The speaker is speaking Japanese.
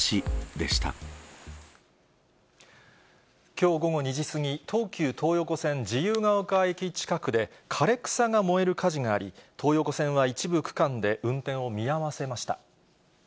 きょう午後２時過ぎ、東急東横線自由が丘駅近くで枯れ草が燃える火事があり、東横線は一部区間で運転を見合わせました。